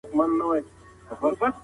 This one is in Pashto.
غږ په ټوله کوټه کې خپور شو.